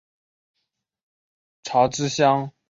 查孜乡是的一个乡镇级行政单位。